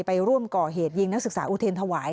ไปร่วมก่อเหตุยิงนักศึกษาอุเทรนถวาย